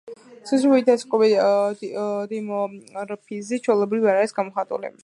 სქესობრივი და ასაკობრივი დიმორფიზმი ჩვეულებრივ არ არის გამოხატული.